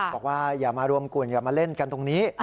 บอกว่าอย่ามารวมกลุ่มอย่ามาเล่นกันตรงนี้